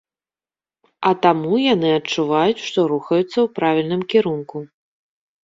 А таму яны адчуваюць, што рухаюцца ў правільным кірунку.